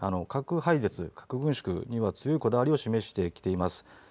核廃絶核軍縮には強いこだわりを示してきています。